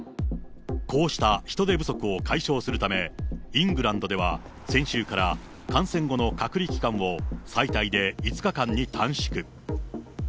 こうした人手不足を解消するため、イングランドでは先週から感染後の隔離期間を、最大で５日間に短縮。